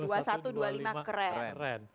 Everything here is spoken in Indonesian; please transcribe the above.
dua ribu satu ratus dua puluh lima keren